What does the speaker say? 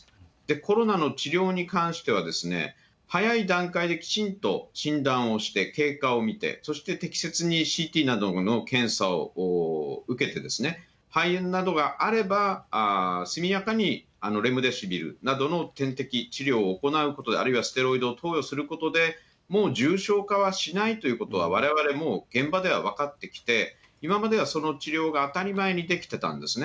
コロナの治療に関しては、早い段階できちんと診断をして、経過を見て、そして適切にＣＴなどの検査を受けて、肺炎などがあれば、速やかにレムデシビルなどの点滴治療を行うこと、あるいはステロイドを投与することで、もう重症化はしないということは、われわれもう、現場では分かってきて、今まではその治療が当たり前にできてたんですね。